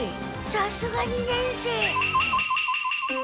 さすが二年生。